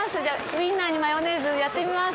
ウインナーにマヨネーズやってみます。